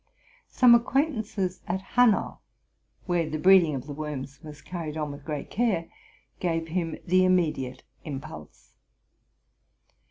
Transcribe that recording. Some acquaintances at Hanan, where the breeding of the worms was carried on with great care, gave him the immediate impulse.